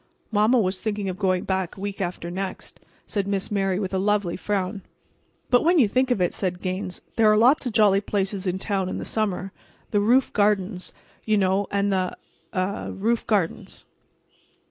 "Mamma was thinking of going back week after next," said Miss Mary with a lovely frown. "But when you think of it," said Gaines, "there are lots of jolly places in town in the summer. The roof gardens, you know, and the—er—the roof gardens."